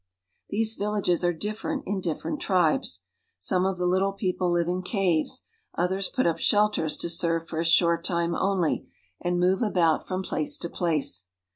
— These villages are different in different tribes. Some of the little people live in caves, others put up shelters to serve for a short time only, and move about from place to place.